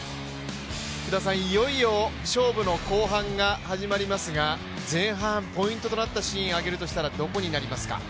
いよいよ勝負の後半が始まりますが、前半ポイントとなったシーンを挙げるとしたらどこになりますか？